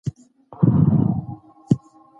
اقتصاد د ژوند د تېرولو لاري چاري ارزوي.